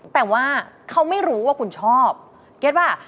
แต่ว่าเขาไม่รู้ว่าคุณชอบเก็ตว่า